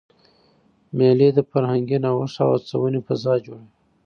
مېلې د فرهنګي نوښت او هڅوني فضا جوړوي.